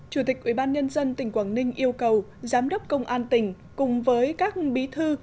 chủ tịch ubnd tỉnh quảng ninh yêu cầu giám đốc công an tỉnh cùng với các bí thư